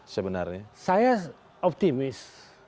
sebenarnya saya optimis